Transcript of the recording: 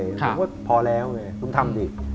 ผมว่าพอแล้วเนี่ยผมทำดิ